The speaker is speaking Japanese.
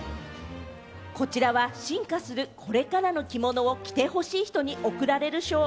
こちらは進化するこれからの着物を着てほしい人に贈られる賞。